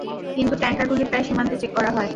কিন্তু ট্যাঙ্কারগুলি প্রায় সীমান্তে চেক করা হয়।